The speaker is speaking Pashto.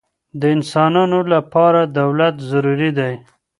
د انسانانو له پاره دولت ضروري دئ.